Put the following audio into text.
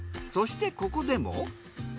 そしてここでも。